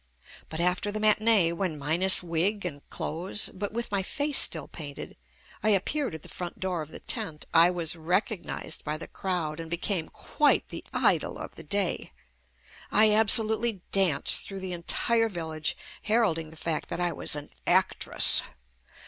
But after the mati nee, when minus wig and clothes, but with my face still painted, I appeared at the front door of the tent, I was recognized by the crowd and became quite the idol of the day. I absolutely danced through the entire village, heralding the fact that I was an actress.